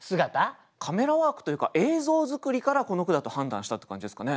カメラワークというか映像作りからこの句だと判断したって感じですかね。